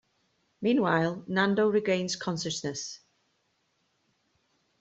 Meanwhile, Nando regains consciousness.